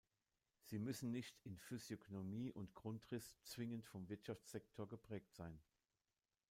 Sie müssen nicht in Physiognomie und Grundriss zwingend vom Wirtschaftssektor geprägt sein.